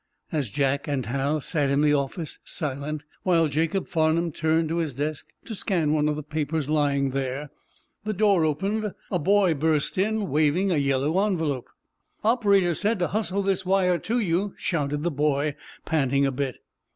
As Jack and Hal sat in the office, silent, while Jacob Farnum turned to his desk to scan one of the papers lying there, the door opened. A boy burst in, waving a yellow envelope. "Operator said to hustle this wire to you," shouted the boy, panting a bit.